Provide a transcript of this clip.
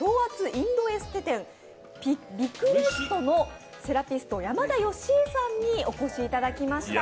インドエステ店ビクレストのセラピスト、山田佳会さんにお越しいただきました。